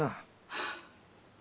はあ。